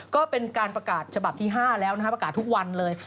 ก็เป็นการประกาศฉบับที่๕แล้วนะครับประกาศทุกวันเลย